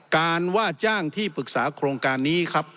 ว่าจ้างที่ปรึกษาโครงการนี้ครับ